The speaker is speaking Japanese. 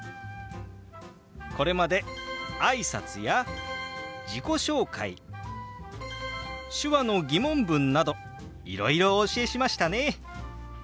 これまで挨拶や自己紹介手話の疑問文などいろいろお教えしましたね。